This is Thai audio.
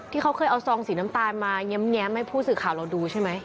ที่เขาเคยเอาซองสีน้ำตาลมาแง้มให้ผู้สื่อข่าวเราดูใช่ไหม